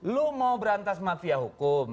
lu mau berantas mafia hukum